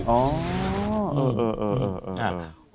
อ๋อเออ